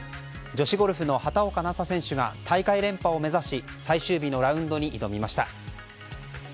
女子ゴルフの畑岡奈紗選手が大会連覇を目指し最終日のラウンドに挑みました。